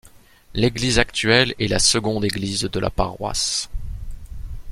L'église actuelle est la seconde église de la paroisse.